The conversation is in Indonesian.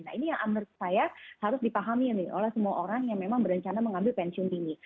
nah ini yang menurut saya harus dipahami oleh semua orang yang memang berencana mengambil pensiun dini